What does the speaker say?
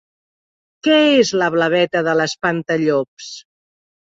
Què és la blaveta de l'espantallops?